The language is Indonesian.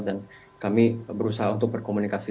dan kami berusaha untuk berkomunikasi